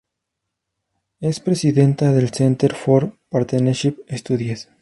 Es presidenta del "Center for Partnership Studies".